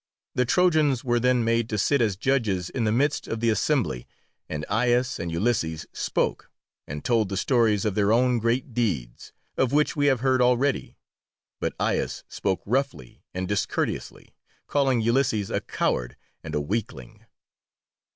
The Trojans were then made to sit as judges in the midst of the Assembly, and Aias and Ulysses spoke, and told the stories of their own great deeds, of which we have heard already, but Aias spoke roughly and discourteously, calling Ulysses a coward and a weakling.